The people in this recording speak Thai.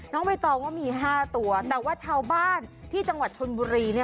ใบตองว่ามี๕ตัวแต่ว่าชาวบ้านที่จังหวัดชนบุรีเนี่ย